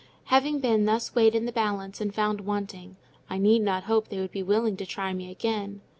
Having been thus weighed in the balance and found wanting, I need not hope they would be willing to try me again.